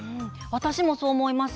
私もそう思います。